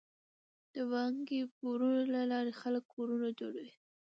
د بانکي پورونو له لارې خلک کورونه جوړوي.